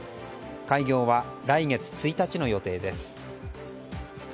開業は来月１日の予定です。